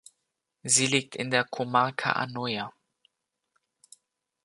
Sie liegt in der Comarca Anoia.